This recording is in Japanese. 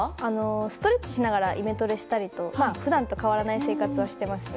ストレッチをしながらイメトレしたりとか普段と変わらない生活をしていますね。